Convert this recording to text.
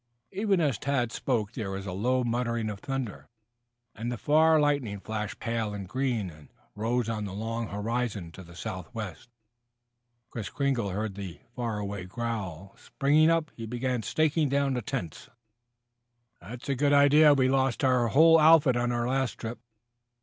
Even as Tad spoke there was a low muttering of thunder, and the far lightning flashed pale and green, and rose on the long horizon to the southwest. Kris Kringle heard the far away growl. Springing up, he began staking down the tents. "That's a good idea. We lost our whole outfit on our last trip.